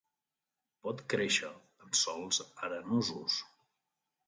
Pot créixer en sòls arenosos.